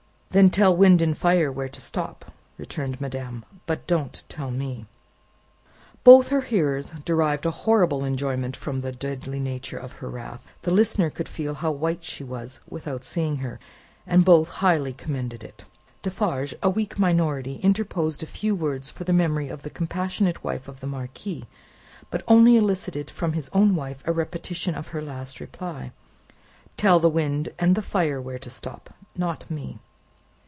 "Then tell Wind and Fire where to stop," returned madame; "but don't tell me." Both her hearers derived a horrible enjoyment from the deadly nature of her wrath the listener could feel how white she was, without seeing her and both highly commended it. Defarge, a weak minority, interposed a few words for the memory of the compassionate wife of the Marquis; but only elicited from his own wife a repetition of her last reply. "Tell the Wind and the Fire where to stop; not me!"